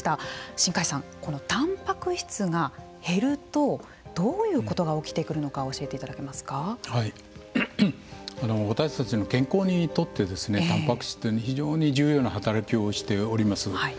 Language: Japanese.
新開さん、このたんぱく質が減るとどういうことが起きてくるのか私たちの健康にとってたんぱく質というのは非常に重要な働きをしております。